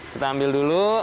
kita ambil dulu